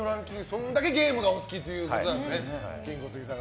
それだけゲームがお好きということなんですね。